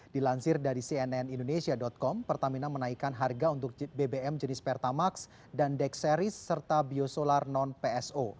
dilansir dari cnn indonesia com pertamina menaikkan harga untuk bbm jenis pertamax dan dex series serta biosolar non pso